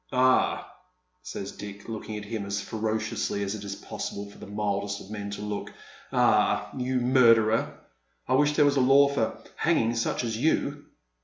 " Ah," says Dick, looking at him as ferociously as it is possiMe for the mildest of men to look —•' ah, you murderer ! I wii^h there was a law for hanging such as you."